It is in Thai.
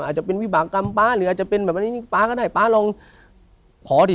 อาจจะเป็นวิบากรรมป๊าหรืออาจจะเป็นแบบอันนี้ป๊าก็ได้ป๊าลองขอดิ